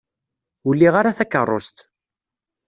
Ur liɣ ara takeṛṛust.